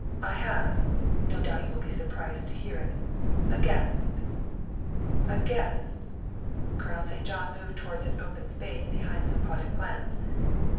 I have (no doubt you will be surprised to hear it) a guest." "A guest?" Colonel St. John moved towards an open space behind some potted plants.